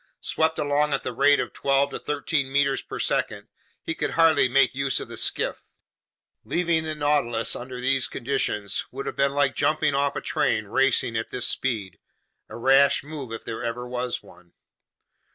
Swept along at the rate of twelve to thirteen meters per second, he could hardly make use of the skiff. Leaving the Nautilus under these conditions would have been like jumping off a train racing at this speed, a rash move if there ever was one.